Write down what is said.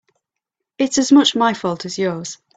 It's as much my fault as yours.